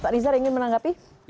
pak nizar ingin menanggapi